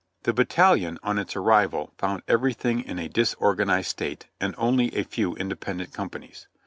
The battalion on its arrival found everything in a disorgan ized state, and only a few independent companies.